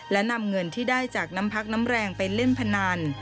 และนำเงินที่ได้จากน้ำพักน้ำแรงไปเล่นพนัน